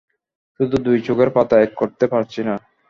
শুধু দুই চোখের পাতা এক করতে পারছি না!